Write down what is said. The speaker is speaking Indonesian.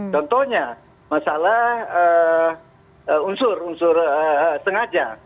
contohnya masalah unsur unsur sengaja